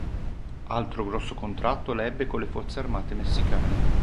Altro grosso contratto la ebbe con le forze armate messicane.